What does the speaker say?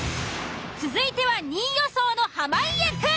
続いては２位予想の濱家くん。